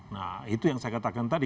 nah itu yang saya katakan tadi